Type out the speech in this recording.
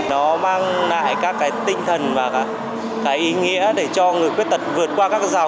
đó mang lại các cái tinh thần và cái ý nghĩa để cho người khuyết tật vượt qua